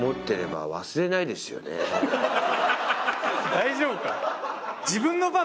大丈夫か？